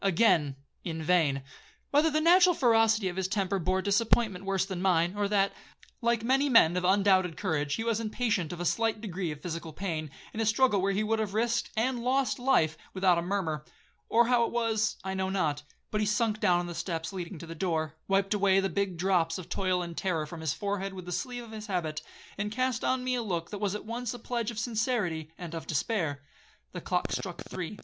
—Again—in vain.—Whether the natural ferocity of his temper bore disappointment worse than mine, or that, like many men of undoubted courage, he was impatient of a slight degree of physical pain, in a struggle where he would have risked and lost life without a murmur,—or how it was, I know not,—but he sunk down on the steps leading to the door, wiped away the big drops of toil and terror from his forehead with the sleeve of his habit, and cast on me a look that was at once the pledge of sincerity and of despair. The clock struck three.